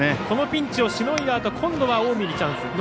このピンチをしのいだあと今度は近江にチャンス。